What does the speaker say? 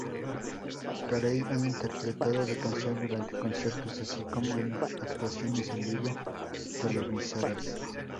Carey ha interpretado la canción durante conciertos así como en actuaciones en vivo televisadas.